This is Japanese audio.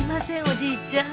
おじいちゃん。